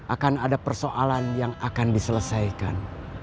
akan ada persoalan yang akan diselesaikan